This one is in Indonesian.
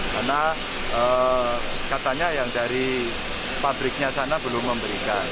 karena katanya yang dari pabriknya sana belum memberikan